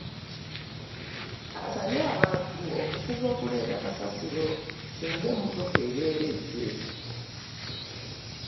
Asabye abantu okufuba okuleetanga kasasiro singa emmotoka ebeera ezze